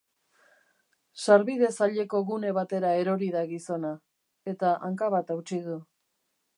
Sarbide zaileko gune batera erori da gizona, eta hanka bat hautsi du.